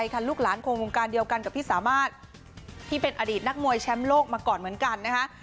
คันลูกหลานคงวงการเดียวกันกับพี่สามารถที่เป็นอดีตนักมวยแชมป์โลกมาก่อนเหมือนกันนะคะ